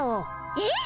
えっ？